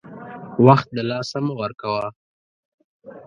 وخت دلاسه مه ورکوه !